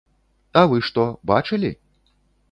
А вы што, бачылі?